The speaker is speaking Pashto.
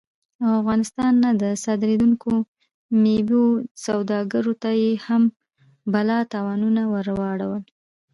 او افغانستان نه د صادرېدونکو میوو سوداګرو ته یې هم بلا تاوانونه ور واړول